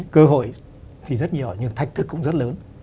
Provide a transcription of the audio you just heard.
cơ hội thì rất nhiều nhưng thách thức cũng rất lớn